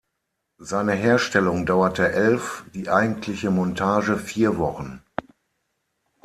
Seine Herstellung dauerte elf, die eigentliche Montage vier Wochen.